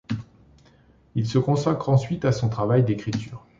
Il se consacre ensuite à son travail d'écriture.